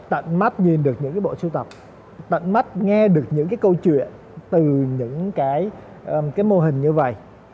tận mắt nhìn được những cái bộ sưu tập tận mắt nghe được những cái câu chuyện từ những cái mô hình như vậy